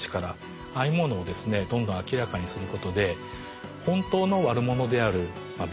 ああいうものをですねどんどん明らかにすることで本当の悪者である病原体。